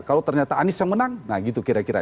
kalau ternyata anies yang menang nah gitu kira kira